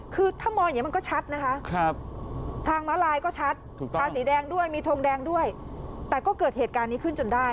คือถ้ามองอย่างนี้มันก็ชัดนะคะทางม้าลายก็ชัดทางสีแดงด้วยมีทงแดงด้วยแต่ก็เกิดเหตุการณ์นี้ขึ้นจนได้